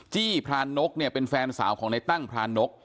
จี้พรานนกเนี่ยเป็นแฟนสาวของในตั้งพรานก